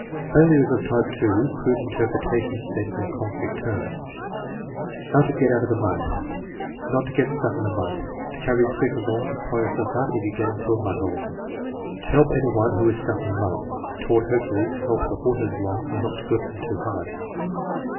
Failures of type (2), crude interpretations stated in concrete terms: "How to get out of the mud." "Not to get stuck in the mud." "To carry a stick along to pry yourself out if you get into a mud hole." "To help any one who is stuck in the mud." "Taught Hercules to help the horses along and not whip them too hard."